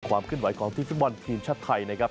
ความขึ้นไหวของทีมฟุตบอลทีมชาติไทยนะครับ